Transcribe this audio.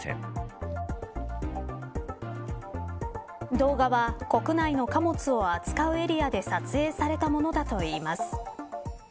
動画は国内の貨物を扱うエリアで撮影されたものだといいます。